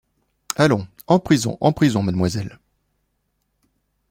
Allons, en prison, en prison, mademoiselle.